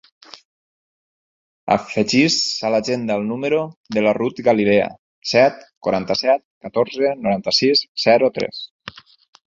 Afegeix a l'agenda el número de la Ruth Galilea: set, quaranta-set, catorze, noranta-sis, zero, tres.